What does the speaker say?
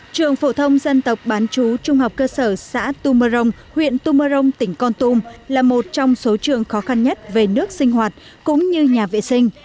trường phổ thông dân tộc bán chú trung học cơ sở xã tu mơ rồng huyện tu mơ rồng tỉnh con tum là một trong số trường khó khăn nhất về nước sinh hoạt cũng như nhà vệ sinh